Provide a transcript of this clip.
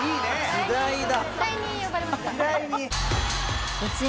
時代だ！